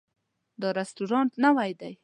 دا رستورانت نوی ده